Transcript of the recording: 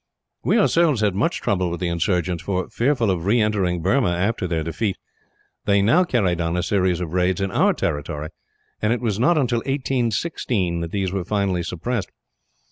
"We, ourselves, had much trouble with the insurgents for, fearful of re entering Burma after their defeat, they now carried on a series of raids in our territory; and it was not until 1816 that these were finally suppressed.